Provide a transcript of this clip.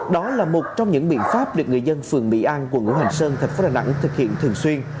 đó là một trong những biện pháp được người dân phường mỹ an quận ngũ hành sơn thành phố đà nẵng thực hiện thường xuyên